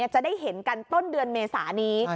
จะได้เห็นกันต้นเดือนเมษานี้